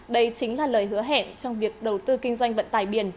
đây chính là lời hứa hẹn trong việc đầu tư kinh doanh vận tải biển